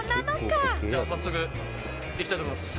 では早速いきたいと思います。